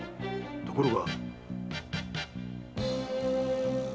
ところが。